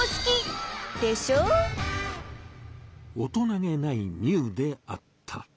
大人げないミウであった。